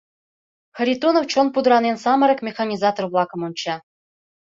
Харитонов чон пудранен самырык механизатор-влакым онча.